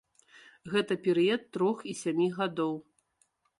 Гэта перыяд трох і сямі гадоў.